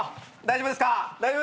大丈夫ですか？